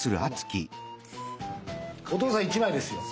お父さん１枚ですよ。